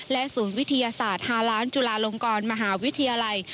ศูนย์วิทยาศาสตร์ฮาล้านจุฬาลงกรมหาวิทยาลัย